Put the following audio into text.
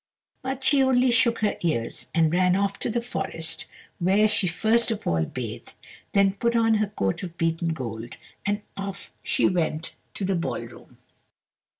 But she only shook her ears, and ran off to the forest, where she first of all bathed, and then put on her coat of beaten gold, and off she went to the ball room.